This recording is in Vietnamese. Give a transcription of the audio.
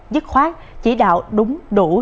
và kích hoạt chỉ đạo đúng đủ